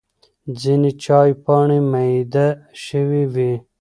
ځینې چای پاڼې مېده شوې وي.